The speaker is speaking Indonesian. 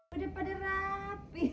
udah pada rapih